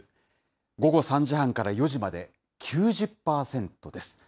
午後３時半から４時まで、９０％です。